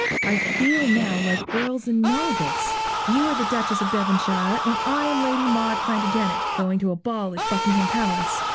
'I feel now like girls in novels. You are the Duchess of Devonshire and I am Lady Maud Plantagenet, going to a ball at Buckingham Palace.